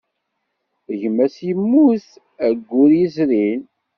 Gma-s yemmut ayyur yezrin.